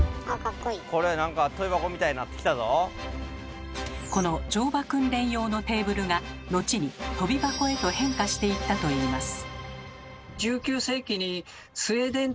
これなんかこの乗馬訓練用のテーブルが後にとび箱へと変化していったといいます。